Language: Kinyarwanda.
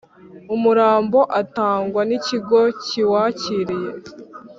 umurambo atangwa n ‘ikigo kiwakiriye.